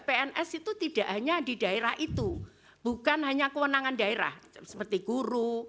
pns itu tidak hanya di daerah itu bukan hanya kewenangan daerah seperti guru